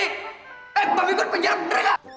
eh babek gue di penjara bener gak